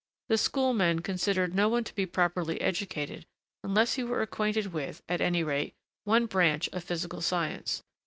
The school men considered no one to be properly educated unless he were acquainted with, at any rate, one branch of physical science.